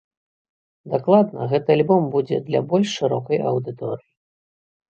Дакладна, гэты альбом будзе для больш шырокай аўдыторыі.